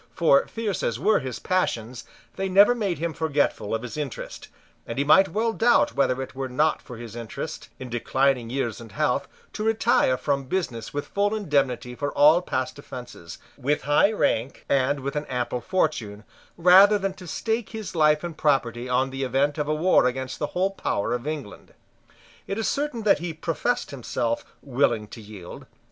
For, fierce as were his passions, they never made him forgetful of his interest; and he might well doubt whether it were not for his interest, in declining years and health, to retire from business with full indemnity for all past offences, with high rank and with an ample fortune, rather than to stake his life and property on the event of a war against the whole power of England. It is certain that he professed himself willing to yield.